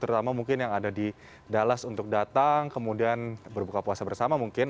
terutama mungkin yang ada di dallas untuk datang kemudian berbuka puasa bersama mungkin